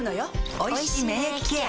おいしい免疫ケア